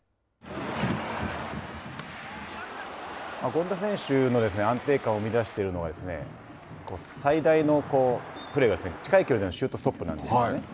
権田選手の安定感を生み出しているのが最大のプレーが、近い距離でのシュートストップなんですね。